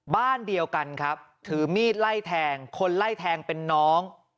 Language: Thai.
บ้านเดียวกันครับถือมีดไล่แทงคนไล่แทงเป็นน้อง